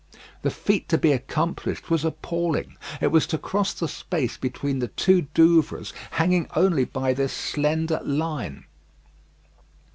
The feat to be accomplished was appalling. It was to cross the space between the two Douvres, hanging only by this slender line.